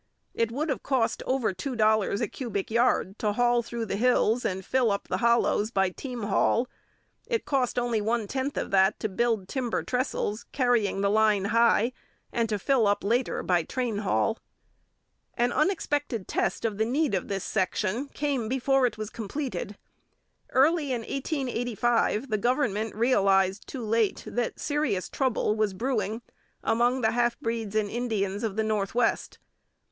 It would have cost over two dollars a cubic yard to cut through the hills and fill up the hollows by team haul; it cost only one tenth of that to build timber trestles, carrying the line high, and to fill up later by train haul. An unexpected test of the need of this section came before it was completed. Early in 1885 the government realized too late that serious trouble was brewing among the half breeds and Indians of the North West.